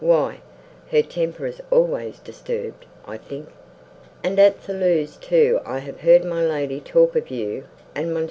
why, her temper is always disturbed, I think. And at Thoulouse I have heard my lady talking of you and Mons.